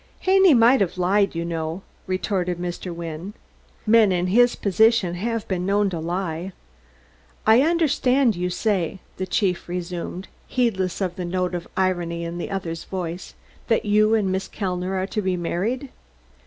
"Haney might have lied, you know," retorted Mr. Wynne. "Men in his position have been known to lie." "I understood you to say," the chief resumed, heedless of the note of irony in the other's voice, "that you and Miss Kellner are to be married?"